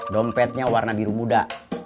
dompetnya warna biru muda